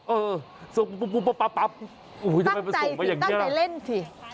เออปุ๊บปุ๊บปั๊บปั๊บปั๊บโอ้โหทำไมมันส่งมาอย่างเงี้ยตั้งใจสิตั้งใจเล่นสิ